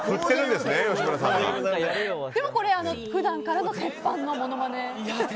でもこれ、普段からの鉄板のものまね？